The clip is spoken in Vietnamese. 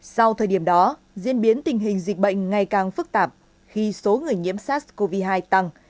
sau thời điểm đó diễn biến tình hình dịch bệnh ngày càng phức tạp khi số người nhiễm sars cov hai tăng